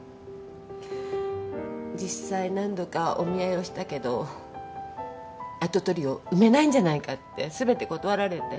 実際何度かお見合いをしたけど跡取りを産めないんじゃないかって全て断られて。